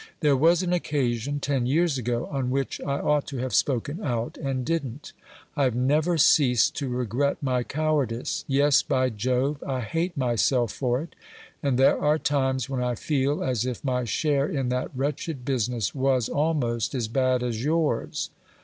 There was an occasion, ten years ago, on which I ought to have spoken out, and didn't. I have never ceased to regret my cowardice. Yes, by Jove! I hate myself for it; and there are times when I feel as if my share in that wretched business was almost as bad as yours."